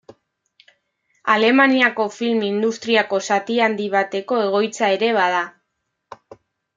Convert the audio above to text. Alemaniako film industriako zati handi bateko egoitza ere bada.